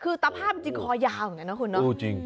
คือตะพาบจริงคอยาวอย่างไรนะคุณ